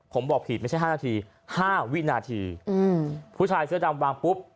ผมบอกผิดไม่ใช่๕นาที๕วินาทีผู้ชายเสื้อดำวางปุ๊บ